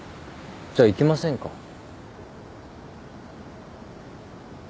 じゃあ行きませんか？